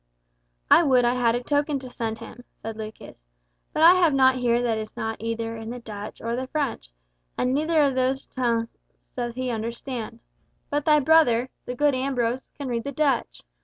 "I would I had a token to send him," said Lucas; "but I have nought here that is not either in the Dutch or the French, and neither of those tongues doth he understand. But thy brother, the good Ambrose, can read the Dutch.